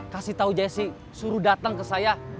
kasih tau jessi suruh dateng ke saya